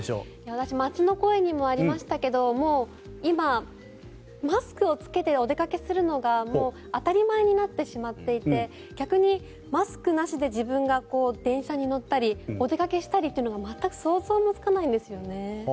私は街の声にもありましたけど今、マスクを着けてお出かけするのが当たり前になってしまっていて逆にマスクなしで自分が電車に乗ったりお出かけしたりってのが全く想像もつかないんですね。